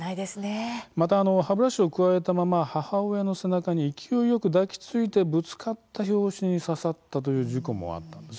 また歯ブラシをくわえたまま母親の背中に勢いよく抱きついてぶつかった拍子に刺さったという事故もあったんです。